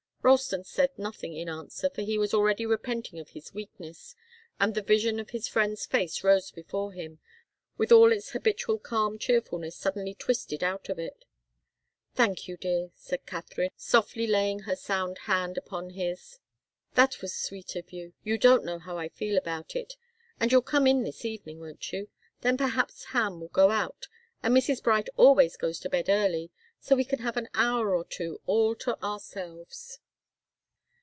Ralston said nothing in answer, for he was already repenting of his weakness, and the vision of his friend's face rose before him, with all its habitual calm cheerfulness suddenly twisted out of it. "Thank you, dear," said Katharine, softly laying her sound hand upon his. "That was sweet of you. You don't know how I feel about it. And you'll come in this evening, won't you? Then perhaps Ham will go out. And Mrs. Bright always goes to bed early, so we can have an hour or two all to ourselves."